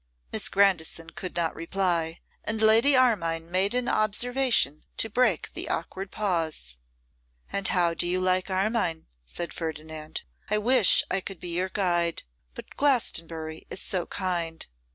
Miss Grandison could not reply, and Lady Armine made an observation to break the awkward pause. 'And how do you like Armine?' said Ferdinand. 'I wish I could be your guide. But Glastonbury is so kind!